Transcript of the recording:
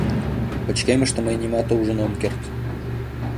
— Пычкемыште мый нимат ужын ом керт.